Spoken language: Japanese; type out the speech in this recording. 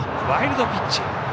ワイルドピッチ。